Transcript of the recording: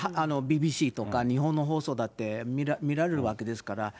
ＢＢＣとか、日本の放送だって見られるわけですから。